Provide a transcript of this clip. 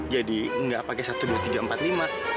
jadi nggak pake satu dua tiga empat lima